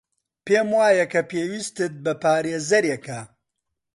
پێم وایە کە پێویستت بە پارێزەرێکە.